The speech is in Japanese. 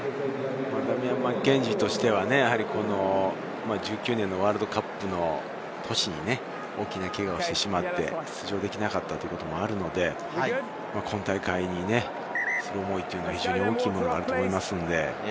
ダミアン・マッケンジーとしては１９年のワールドカップの年に大きなけがをしてしまって出場できなかったということもあるので、今大会にきする思いは大きなものがあると思います。